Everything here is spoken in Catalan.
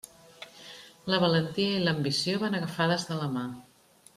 La valentia i l'ambició van agafades de la mà.